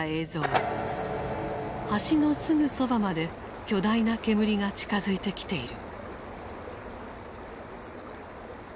橋のすぐそばまで巨大な煙が近づいてきている。